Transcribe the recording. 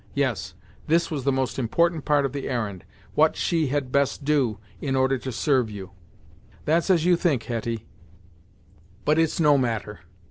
Yes, this was the most important part of the errand what she had best do, in order to serve you?" "That's as you think, Hetty; but it's no matter.